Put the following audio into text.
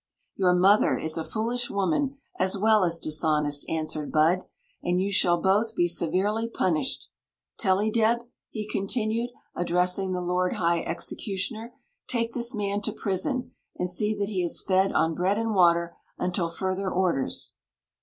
"Your mother is a foolish woman, as well as dis honest," answered Bud ;" and you shall both be se verely punished. Tellydeb," he continued, addressing the lord high executioner, "take this man to prison, and see that he is fed on bread and water until fur ther orders.